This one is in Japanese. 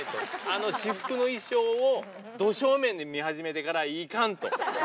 あの私服の衣装を、ど正面で見始めてから、いかんと。